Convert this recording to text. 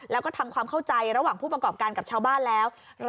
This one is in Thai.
แล้วก็ทำความเข้าใจระหว่างผู้ประกอบการกับชาวบ้านแล้ว